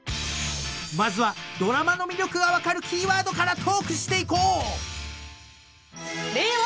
［まずはドラマの魅力が分かるキーワードからトークしていこう］